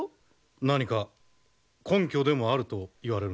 何か根拠でもあると言われるのか？